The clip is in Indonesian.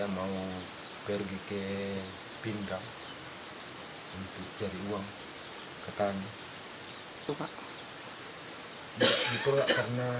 melengkung juga pak